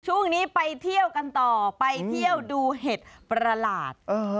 ช่วงนี้ไปเที่ยวกันต่อไปเที่ยวดูเห็ดประหลาด